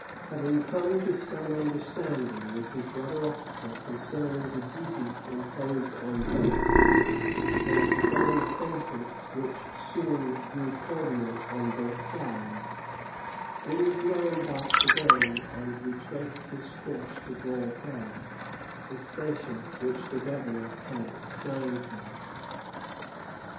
Having come to some understanding with his brother officer concerning the duties imposed on both, and begun an acquaintance which soon grew cordial on both sides, Winslow embarked again and retraced his course to Grand Pré, the station which the Governor had assigned him.